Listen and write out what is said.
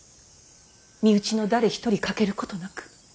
身内の誰一人欠けることなく。